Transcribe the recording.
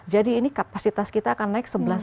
jadi ini kapasitas kita akan naik sebelas kali lipat